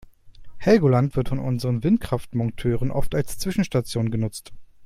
Helgoland wird von unseren Windkraftmonteuren oft als Zwischenstation genutzt.